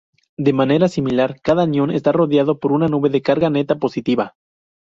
De manera similar, cada anión está rodeado por una nube con carga neta positiva.